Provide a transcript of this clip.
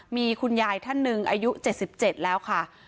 มีคุณยายท่านหนึ่งอายุ๗๗แล้วค่ะ